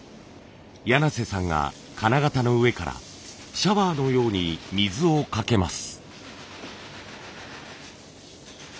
柳瀬さんが金型の上からシャワーのように水をかけます。